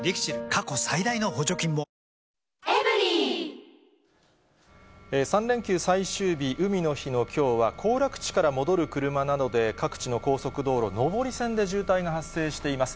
過去最大の補助金も３連休最終日、海の日のきょうは、行楽地から戻る車などで、各地の高速道路、上り線で渋滞が発生しています。